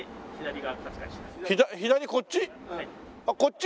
左こっち？